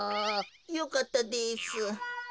よかったです。